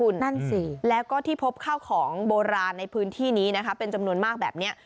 นั่นสิแล้วก็ที่พบข้าวของโบราณในพื้นที่นี้นะคะเป็นจำนวนมากแบบนี้